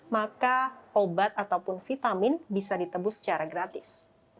maka obat ataupun vitamin bisa ditebus secara gratis